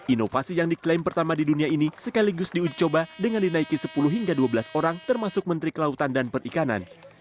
inovasi yang diklaim pertama di dunia ini sekaligus diuji coba dengan dinaiki sepuluh hingga dua belas orang termasuk menteri kelautan dan perikanan